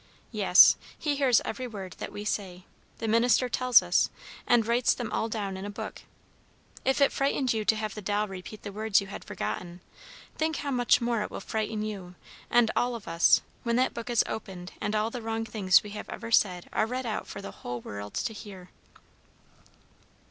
"Yes. He hears every word that we say, the minister tells us, and writes them all down in a book. If it frightened you to have the doll repeat the words you had forgotten, think how much more it will frighten you, and all of us, when that book is opened and all the wrong things we have ever said are read out for the whole world to hear."